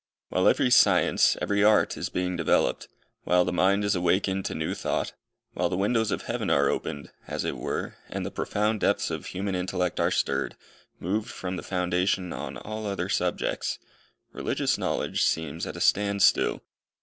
While every science, every art is being developed; while the mind is awakened to new thought; while the windows of heaven are opened, as it were, and the profound depths of human intellect are stirred moved from the foundation on all other subjects, religious knowledge seems at a stand still.